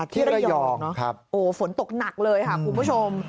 ที่ระยองฝนตกหนักเลยค่ะคุณผู้ชม